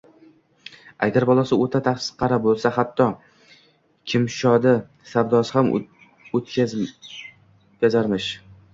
Agar bolasi o`ta tasqara bo`lsa, hatto kimoshdi savdosi ham o`tkazarmish